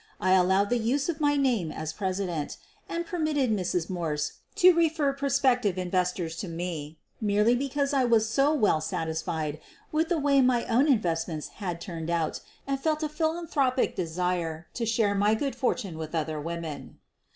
I allowed the use of my name as president and permitted Mrs. Morse to refer prospective investors to me merely because I was &o well satisfied with the way my own investments bad turned out and felt a philanthropic desire to share my good fortune with other women.